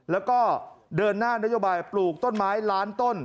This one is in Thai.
แล้วก็เดินหน้านโยบายปลูกต้นไม้ล้านต้น